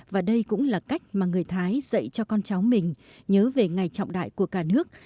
và đây cũng là cách mà người thái dạy cho con cháu mình nhớ về ngày trọng đại của cả nước